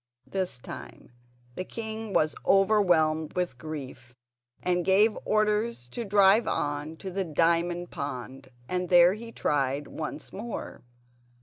This time the king was overwhelmed with grief, and gave orders to drive on to the diamond pond, and there he tried once more.